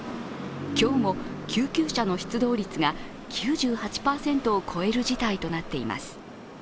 今日も救急車の出動率が９８％を超える事態となっています。